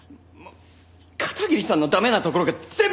片桐さんの駄目なところが全部出てます！